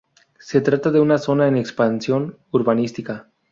Se trata de una zona en expansión urbanística.